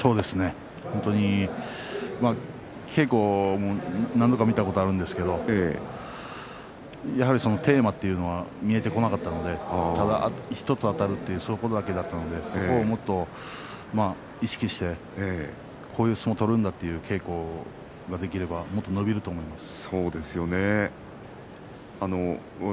本当に稽古も何度か見たことがあるんですけれどやはりテーマというのは見えてこなかったのでただ１つあたるというそこだけだったのでそこをもっと意識してこういう相撲を取るんだという稽古ができればもっと伸びるんだと思います。